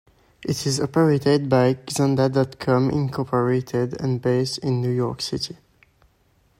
It is operated by Xanga dot com, Incorporated and based in New York City.